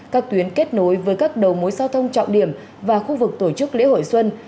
các tuyến kết nối với các đầu mối giao thông trọng điểm và khu vực tổ chức lễ hội xuân